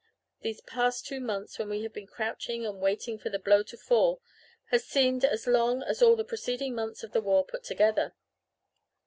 These past two months when we have been crouching and waiting for the blow to fall have seemed as long as all the preceding months of the war put together.